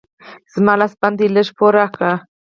زما لاس بند دی؛ لږ پور راکړه.